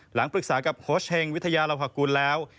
หลังปรึกษากับโค้ชเฮงวิทยาลภากุลแล้ว